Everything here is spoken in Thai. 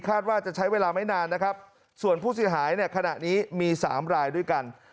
ว่าจะใช้เวลาไม่นานนะครับส่วนผู้เสียหายเนี่ยขณะนี้มี๓รายด้วยกัน